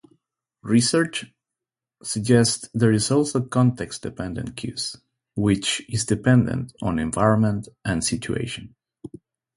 Research suggests there is also context-dependent cues which is dependent on environment and situation.